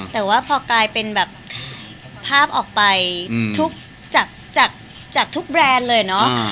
แต่ว่าพอกลายเป็นแบบภาพออกไปทุกจากทุกแบรนด์เลยเนาะ